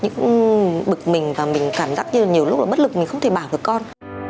nhưng cũng bực mình và mình cảm giác như là nhiều lúc là bất lực mình không thể bảo được con